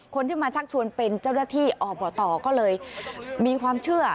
คนที่มาชักชวนเป็นเจ้าหน้าที่อบตก็เลยมีความเชื่อ